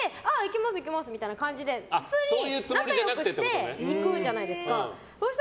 行きますみたいな感じで普通に仲良くしていくじゃないですか。